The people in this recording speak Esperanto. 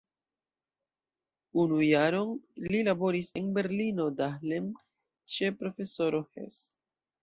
Unu jaron li laboris en Berlino-Dahlem ĉe profesoro Hess.